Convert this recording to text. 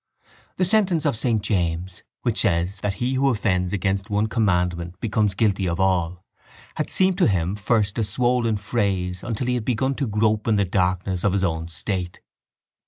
The sentence of saint James which says that he who offends against one commandment becomes guilty of all had seemed to him first a swollen phrase until he had begun to grope in the darkness of his own state.